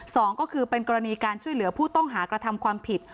สองก็คือเป็นกรณีการช่วยเหลือผู้ต้องหากระทำความผิด